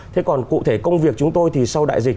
thế còn cụ thể công việc chúng tôi thì sau đại dịch